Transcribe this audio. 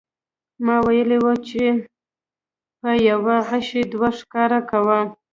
ما ویلي و په یوه غیشي دوه ښکاره کوو.